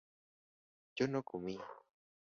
yo no comí